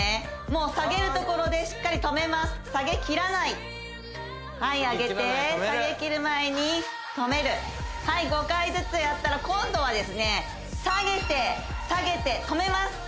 もう下げるところでしっかり止めます下げ切らないはい上げて下げ切る前に止めるはい５回ずつやったら今度は下げて下げて止めます